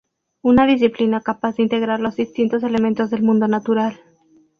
Una disciplina capaz de integrar los distintos elementos del mundo natural.